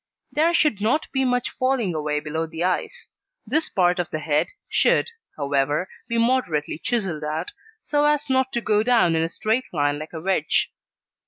There should not be much falling away below the eyes. This part of the head, should, however, be moderately chiselled out, so as not to go down in a straight line like a wedge.